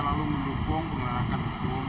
selalu mendukung penggerakan hukum